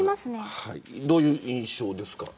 どういう印象ですか。